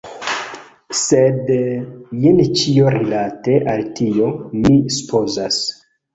Sed... jen ĉio rilate al tio, mi supozas.